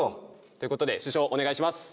ということで主将お願いします！